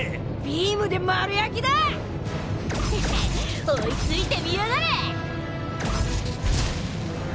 ビームで丸焼きだ！へへっ追いついてみやがれ！